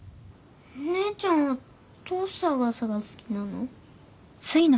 お姉ちゃんはどうしてアガサが好きなの？